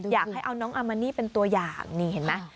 อยากให้เอาน้องอามานี่เป็นตัวอย่างนี่เห็นไหม